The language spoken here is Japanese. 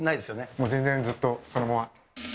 もう全然、ずっとそのまま。